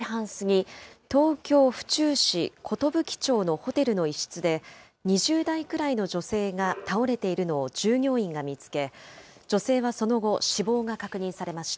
捜査関係者によりますと、きょう午前１時半過ぎ、東京・府中市寿町のホテルの一室で、２０代くらいの女性が倒れているのを従業員が見つけ、女性はその後、死亡が確認されました。